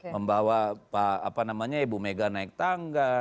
membawa pak apa namanya ibu mega naik tangga